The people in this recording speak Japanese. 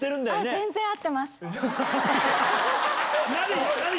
全然会ってます。